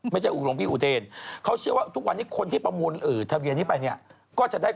ไม่ใช่กว่าเฮลาน่าพี่อุท